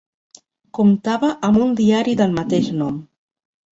Comptava amb un Diari del mateix nom.